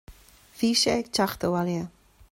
Bhí sé ag teacht abhaile